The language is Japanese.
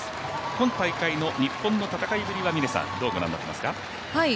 今大会の日本の戦いぶりはどうご覧になってますか？